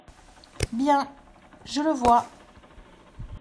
Bien ! je le vois…